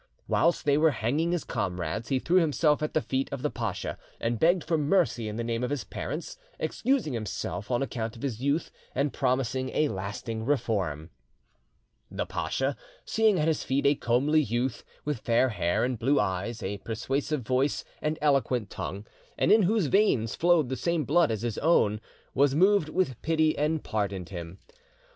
Whilst they were hanging his comrades, he threw himself at the feet of the pacha and begged for mercy in the name of his parents, excusing himself on account of his youth, and promising a lasting reform. The pacha, seeing at his feet a comely youth, with fair hair and blue eyes, a persuasive voice, and eloquent tongue, and in whose veins flowed the same blood as his own, was moved with pity and pardoned him.